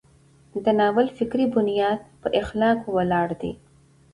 د ناول فکري بنیاد په اخلاقو ولاړ دی.